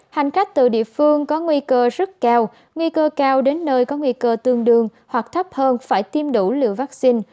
hành khách từ địa phương có nguy cơ rất cao nguy cơ cao đến nơi có nguy cơ tương đương hoặc thấp hơn phải tiêm đủ liều vaccine